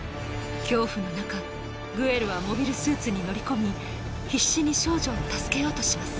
恐怖のなかグエルはモビルスーツに乗り込み必死に少女を助けようとします